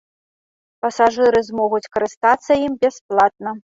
Пасажыры змогуць карыстацца ім бясплатна.